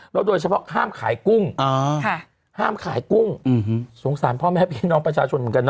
โดยเฉพาะห้ามขายกุ้งห้ามขายกุ้งสงสารพ่อแม่พี่น้องประชาชนเหมือนกันนะ